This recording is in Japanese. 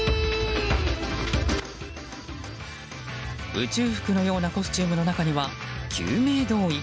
宇宙服のようなコスチュームの中には救命胴衣。